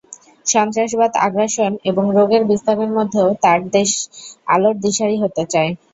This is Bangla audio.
সন্ত্রাসবাদ, আগ্রাসন এবং রোগের বিস্তারের মধ্যেও তাঁর দেশ আলোর দিশারি হতে চায়।